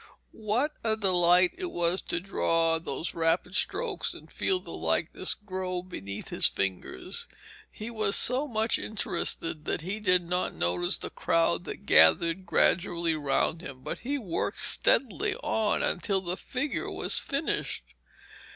What a delight it was to draw those rapid strokes and feel the likeness grow beneath his fingers! He was so much interested that he did not notice the crowd that gathered gradually round him, but he worked steadily on until the figure was finished.